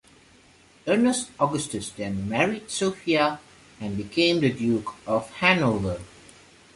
Ernest Augustus then married Sophia and became the Duke of Hanover.